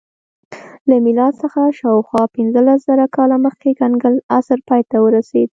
له میلاد څخه شاوخوا پنځلس زره کاله مخکې کنګل عصر پای ته ورسېد